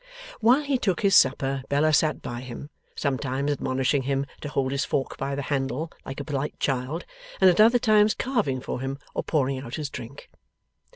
While he took his supper, Bella sat by him, sometimes admonishing him to hold his fork by the handle, like a polite child, and at other times carving for him, or pouring out his drink.